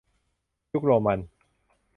ยุคโรมัน